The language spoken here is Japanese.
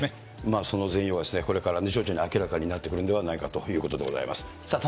その全容はこれから徐々に明らかになってくるんではないかということであります。